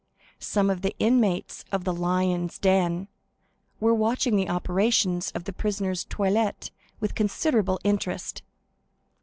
Some of the inmates of the "Lions' Den" were watching the operations of the prisoner's toilet with considerable interest.